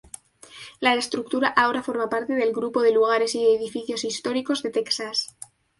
La estructura ahora forma parte del grupo de lugares y edificios históricos de Texas.